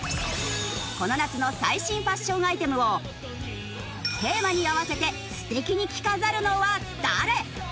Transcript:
この夏の最新ファッションアイテムをテーマに合わせて素敵に着飾るのは誰？